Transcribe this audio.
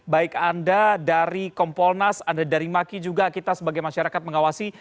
baik anda dari kompolnas anda dari maki juga kita sebagai masyarakat mengawasi